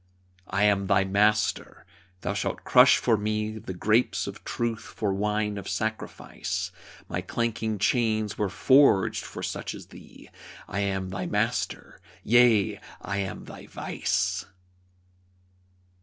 I am thy Master. Thou shalt crush for me The grapes of truth for wine of sacrifice; My clanking chains were forged for such as thee, I am thy Master yea, I am thy vice!